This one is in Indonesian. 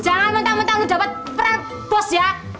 jangan mentang mentang lo dapet perang bos ya